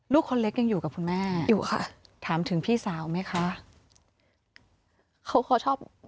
คนเล็กยังอยู่กับคุณแม่อยู่ค่ะถามถึงพี่สาวไหมคะเขาเขาชอบ